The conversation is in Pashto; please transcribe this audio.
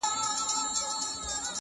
لا به چي تا پسې بهيږي اوښکي څه وکړمه-